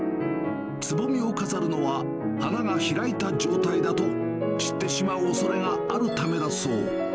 つぼみを飾るのは、花が開いた状態だと散ってしまうおそれがあるためだそう。